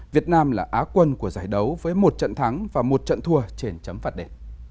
việt nam là á quân của giải đấu với một trận thắng và một trận thua trên chấm phạt đề